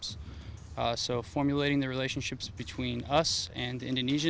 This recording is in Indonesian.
jadi membuat hubungan antara kita dan indonesia